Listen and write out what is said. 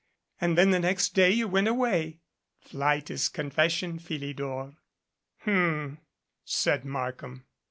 And then the next day you went away. Flight is confession, Philidor." "H m," said Markham.